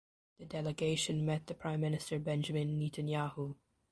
The delegation met the Prime Minister Benjamin Netanyahu.